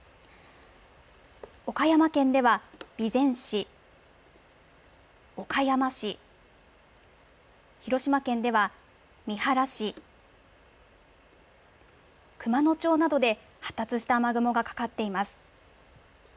岡山県では、備前市、岡山市、広島県では、三原市、熊野町などで発達した雨雲がかかっています。